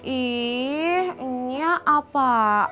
ih nyak apaan sih